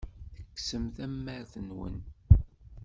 Tekksem tamart-nwen.